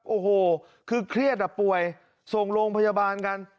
โอ้โหคือเครียดอ่ะป่วยส่งโรงพยาบาลกัน